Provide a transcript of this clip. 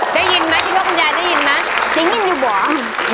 ได้ยินไหมที่บอกคุณยายได้ยินไหมจริงยินอยู่บอก